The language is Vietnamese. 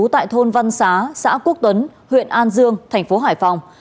tại thôn văn xá xã quốc tuấn huyện an dương thành phố hải phòng